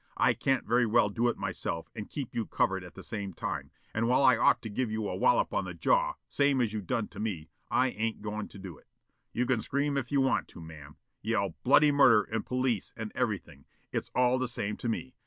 I can't very well do it myself and keep you covered at the same time, and while I ought to give you a wollop on the jaw, same as you done to me, I ain't goin' to do it. You can scream if you want to, ma'am, yell 'bloody murder', and 'police', and everything. It's all the same to me.